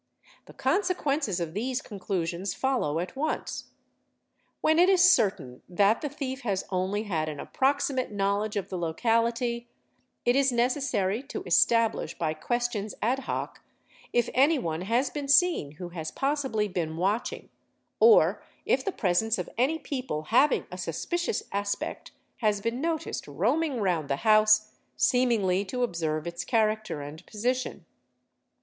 The consequences of these conclusions follow at once: when | it is certain that the thief has only had an approximate knowledge of the locality, it is necessary to establish, by questions ad hoc, if any one has been seen who has possibly been watching, or if the presence of any people having a suspicious aspect has been noticed roaming round the house seemingly to observe its character and position.